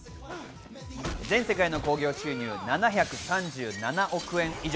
全世界の興行収入、７３７億円以上。